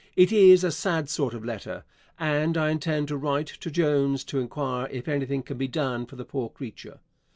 It is a sad sort of letter, and I intend to write to Jones to enquire if anything can be done for the poor creature.